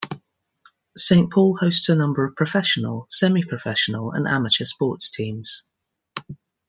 Saint Paul hosts a number of professional, semi-professional, and amateur sports teams.